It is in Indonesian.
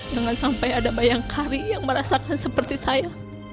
jangan sampai ada bayangkari yang merasakan seperti saya